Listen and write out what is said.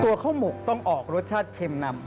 ข้าวหมกต้องออกรสชาติเค็มนำ